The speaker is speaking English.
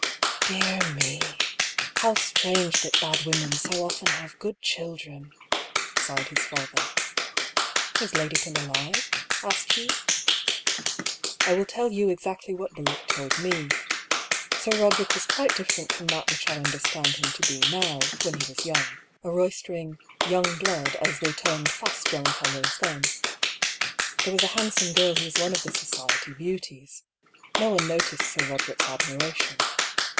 " Dear me ! How strange that bad women so often have good children I "sighed his father. " Is Lady Pym alive ?" asked Hugh. " I will tell you exactly what Bullock told me. Sir Eoderick was quite different from that which I under stand him to be now, when he was young. A roistering * young blood,' as they termed fast young fellows then. There was a handsome girl who was one of the Society beauties. No one noticed Sir Roderick's admiration.